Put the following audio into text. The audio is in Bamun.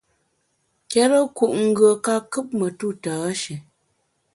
Nkérekut ngùe ka kùp metu tâshé.